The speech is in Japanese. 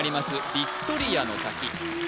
ヴィクトリアの滝